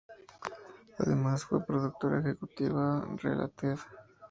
Además, fue productora ejecutiva de "Related".